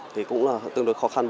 thì cũng tương đối khó khăn